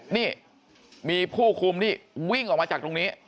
นี่มีผู้คุมนี่วิ่งออกมาจากตรงนี้